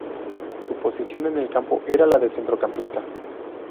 Su posición en el campo era la de centrocampista.